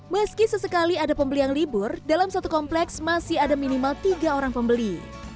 meski sesekali ada pembeli yang libur dalam satu kompleks masih ada minimal tiga orang pembeli